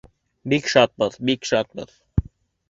Бик шатбыҙ, бик шатбыҙ!